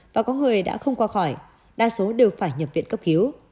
và có người đã không qua khỏi đa số đều phải nhập viện cấp cứu